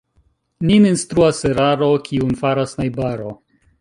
Nin instruas eraro, kiun faras najbaro.